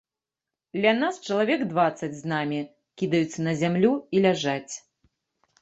Ля нас чалавек дваццаць з намі, кідаюцца на зямлю і ляжаць.